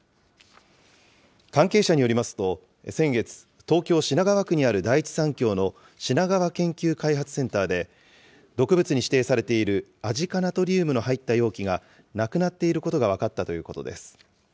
関係者によりますと、先月、東京・品川区にある第一三共の品川研究開発センターで、毒物に指定されているアジ化ナトリウムの入った容器がなくなっていることが分かったということです。